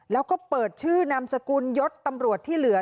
และเปิดชื่อนำสกุลยสตำรวจที่เหลือ